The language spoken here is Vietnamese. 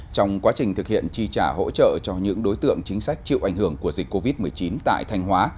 trong quá trình thực hiện chi trả hỗ trợ cho những đối tượng chính sách chịu ảnh hưởng của dịch covid một mươi chín tại thanh hóa